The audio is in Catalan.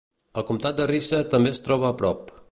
El comtat de Rice també es troba a prop.